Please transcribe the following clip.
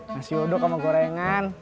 nasi uduk sama gorengan